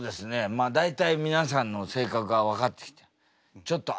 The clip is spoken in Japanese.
まあ大体皆さんの性格が分かってきてちょっとあんじゅは要注意。